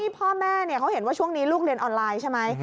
พ่อแม่เขาเห็นว่าช่วงนี้ลูกเรียนออนไลน์ใช่ไหม